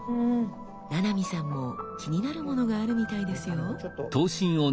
七海さんも気になるものがあるみたいですよ。